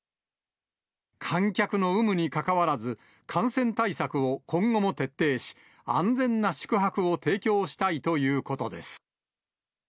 観客の有無にかかわらずこうして感染対策を今後も徹底し、安全な宿泊を提供したいということです。